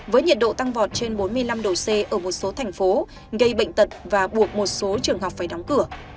với nhiệt độ tăng vọt trên bốn mươi năm độ c ở một số thành phố gây bệnh tật và buộc một số trường học phải đóng cửa